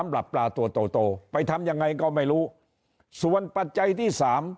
ปลาตัวโตไปทำยังไงก็ไม่รู้ส่วนปัจจัยที่สาม